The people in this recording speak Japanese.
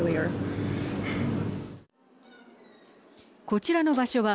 こちらの場所は